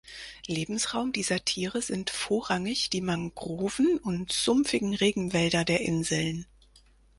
Lebensraum dieser Tiere sind vorrangig die Mangroven- und sumpfigen Regenwälder der Inseln.